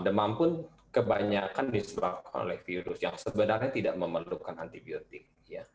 demam pun kebanyakan disebabkan oleh virus yang sebenarnya tidak memerlukan antibiotik